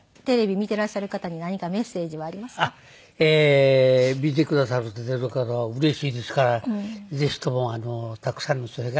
見てくださるって出るからうれしいですからぜひともたくさんの人らが。